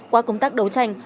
qua công tác đấu tranh